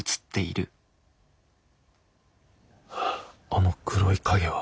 あの黒い影は。